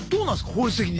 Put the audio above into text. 法律的に。